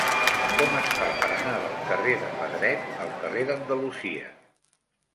Com es fa per anar del carrer de Pedret al carrer d'Andalusia?